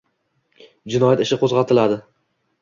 jinoyat ishi qo‘zg‘atiladi.